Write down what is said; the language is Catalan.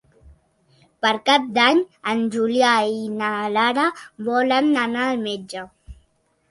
Per Cap d'Any en Julià i na Lara volen anar al metge.